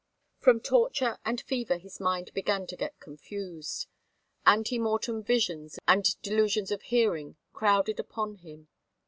From torture and fever his mind began to get confused. Ante mortem visions and delusions of hearing crowded upon him.